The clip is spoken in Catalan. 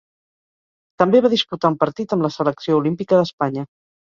També va disputar un partit amb la selecció olímpica d'Espanya.